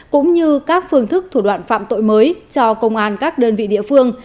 cũng như các phương thức thủ đoạn phạm tội mới cho công an các đơn vị địa phương